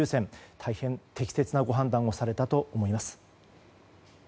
大変適切なご判断をされたと思います。